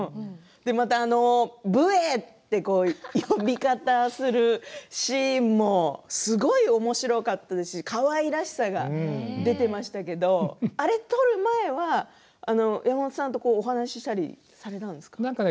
武衛という呼び方をするシーンもすごくおもしろかったですしかわいらしさが出ていましたけれどあれを撮る前は山本さんとお話しされたんですか。